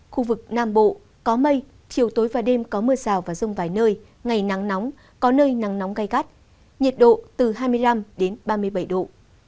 khu vực nam bộ có mây chiều tối và đêm có mưa rào và rông vài nơi ngày nắng nóng có nơi nắng nóng gai gắt nhiệt độ từ hai mươi năm đến ba mươi bảy độ